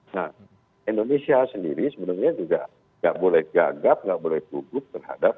nah indonesia sendiri sebenarnya juga nggak boleh gagap nggak boleh gugup terhadap